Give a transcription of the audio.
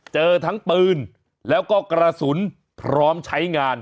เจอทั้งปืนแล้วก็กระสุนพร้อมใช้งาน